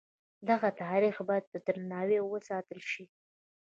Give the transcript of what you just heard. دغه تاریخ باید په درناوي وساتل شي.